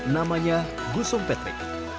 namanya gusung petrik